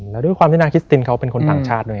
แล้วด้วยความที่นางคิดสิทธิ์เขาเป็นคนต่างชาติ